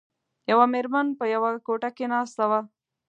یوه میرمن په یوه کوټه کې ناسته وه.